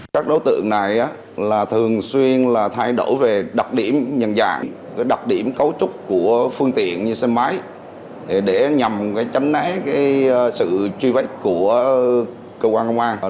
các đối tượng này thường xuyên thay đổi về đặc điểm nhận dạng đặc điểm cấu trúc của phương tiện như xe máy để nhằm tránh né sự truy vách của cơ quan công an